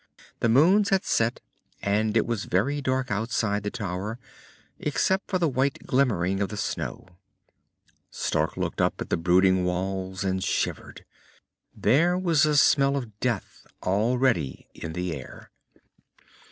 The moons had set and it was very dark outside the tower, except for the white glimmering of the snow. Stark looked up at the brooding walls, and shivered. There was a smell of death already in the air.